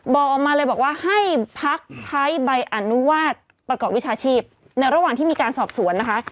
บอกออกมาเลยบอกว่าให้พักใช้ใบอนุญาตประกอบวิชาชีพในระหว่างที่มีการสอบสวนนะคะ